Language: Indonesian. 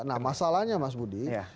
nah masalahnya mas budi